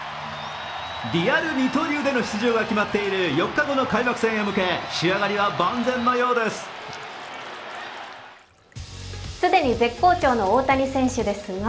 リアル二刀流での出場が決まっている４日後の開幕戦へ向け仕上がりは万全のようです。